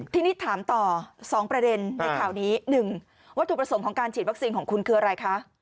ทีนี้ถามต่อ๒ประเด็นในข่าวนี้๑วัตถุประสงค์ของการฉีดวัคซีนของคุณคืออะไรคะ